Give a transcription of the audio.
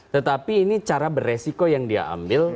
tetapi ini cara beresiko yang dia ambil